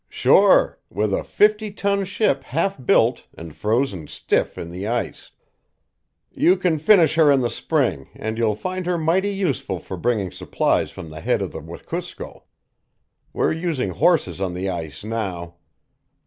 "Sure, with a fifty ton ship half built and frozen stiff in the ice. You can finish her in the spring and you'll find her mighty useful for bringing supplies from the head of the Wekusko. We're using horses on the ice now.